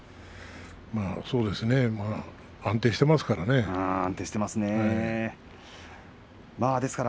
そうですね安定していますから。